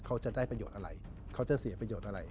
เขาจะได้ประโยชน์อะไรเขาจะเสียประโยชน์อะไร